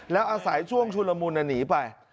แล้วอาศัยช่วงชุนรมูลน่ะหนีไป